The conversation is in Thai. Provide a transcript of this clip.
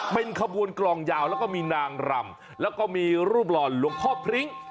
เป็นขบวนกลองยาวแล้วก็มีนางรำแล้วก็มีรูปหล่อนหลวงพ่อพริ้ง